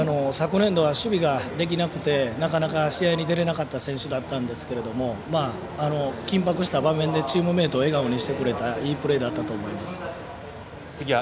昨年度は守備ができなくてなかなか試合に出られなかった選手だったんですけど緊迫した場面でチームメートを笑顔にしてくれたいいプレーだったと思います。